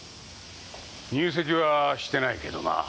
入籍はしてないけどなあ。